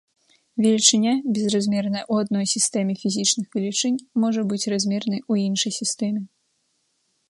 Велічыня, безразмерная ў адной сістэме фізічных велічынь, можа быць размернай у іншай сістэме.